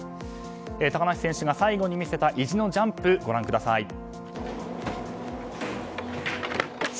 高梨選手が最後に見せた意地のジャンプをご覧ください。